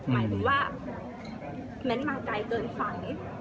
หมายถึงว่าแม้มาไกลเกินฝัน